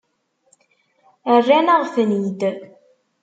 Rran-aɣ-ten-id.